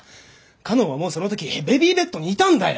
佳音はもうその時ベビーベッドにいたんだよ！